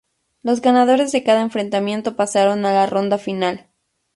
Los ganadores de cada enfrentamiento pasaron a la ronda final.